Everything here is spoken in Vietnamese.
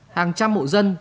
hàng trăm mộ dân